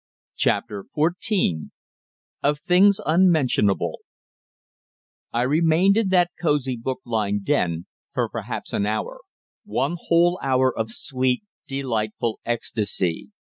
CHAPTER FOURTEEN OF THINGS UNMENTIONABLE I remained in that cosy, book lined den for perhaps an hour one whole hour of sweet, delightful ecstasy.